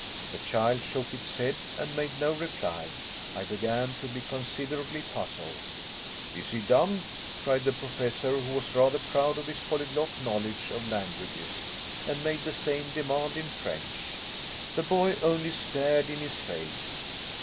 The child shook its head and made no reply. I began to be considerably puzzled. "Is he dumb?" cried the Professor, who was rather proud of his polyglot knowledge of languages, and made the same demand in French. The boy only stared in his face.